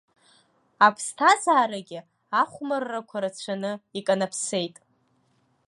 Аԥсҭазаарагьы ахәмаррақәа рацәаны иканаԥсеит.